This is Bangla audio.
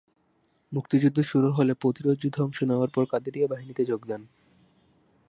মুক্তিযুদ্ধ শুরু হলে প্রতিরোধযুদ্ধে অংশ নেওয়ার পর কাদেরিয়া বাহিনীতে যোগ দেন।